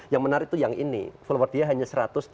yang menarik itu yang ini follower dia hanya satu ratus tiga puluh